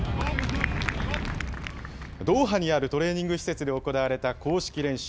ドーハにあるトレーニング施設で行われた公式練習。